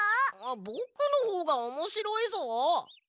ぼくのほうがおもしろいぞ！